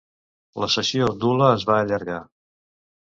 La sessió d'hula es va allargar.